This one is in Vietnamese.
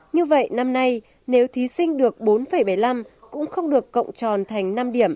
như vậy năm nay nếu thí sinh được bốn bảy mươi năm cũng không được cộng tròn thành năm điểm